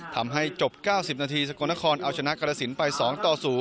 ทำให้จบ๙๐นาทีสกลนครเอาชนะกรสินไป๒ต่อ๐